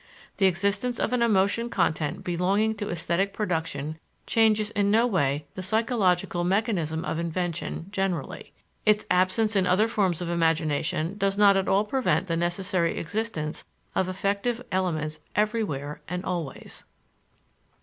The existence of an emotion content belonging to esthetic production changes in no way the psychologic mechanism of invention generally. Its absence in other forms of imagination does not at all prevent the necessary existence of affective elements everywhere and always.